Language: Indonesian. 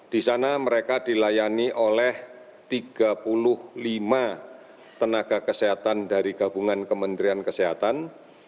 di sana mereka dilayani oleh tiga puluh lima tenaga kesehatan dari gabungan kementerian kesehatan